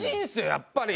やっぱり。